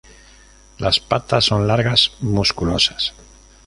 Las patas son largas, musculosas.